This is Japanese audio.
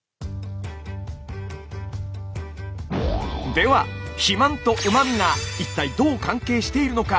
では肥満とうま味が一体どう関係しているのか？